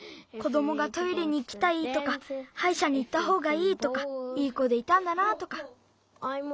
子どもがトイレにいきたいとかはいしゃにいったほうがいいとかいい子でいたんだなとか。